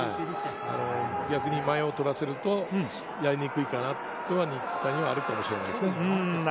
逆に前を取らせると、やりにくいかなというのは新田にはあるかもしれませんね。